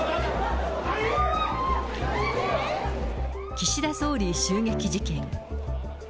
岸田総理襲撃事件。